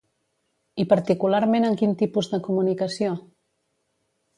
I particularment en quin tipus de comunicació?